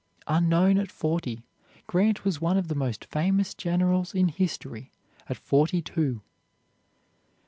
Unknown at forty, Grant was one of the most famous generals in history at forty two.